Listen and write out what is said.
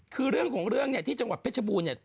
คือเรื่องของเรื่องเนี่ยที่จังหวัดเพชรบูรณ์เนี่ย